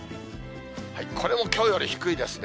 これもきょうより低いですね。